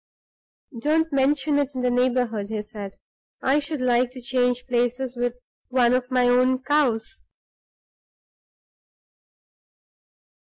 "Don't mention it in the neighborhood," he said; "I should like to change places with one of my own cows."